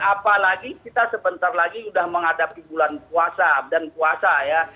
apalagi kita sebentar lagi sudah menghadapi bulan puasa dan puasa ya